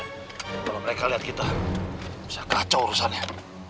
kalau mereka lihat kita bisa kacau urusannya